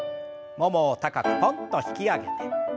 ももを高くポンと引き上げて。